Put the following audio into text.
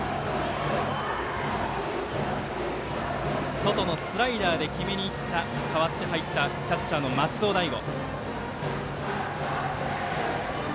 外のスライダーで決めにいった代わって入ったキャッチャーの松尾大悟。